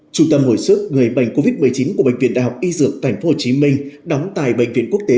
chủ tâm hồi sức người bệnh covid một mươi chín của bệnh viện đh y dược tp hcm đóng tài bệnh viện quốc tế